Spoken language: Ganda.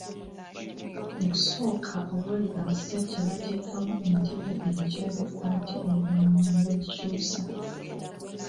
Mu kusooka awali abasajja baateekawo entebe enjeru ate oluvannyuma ne bazikyusa.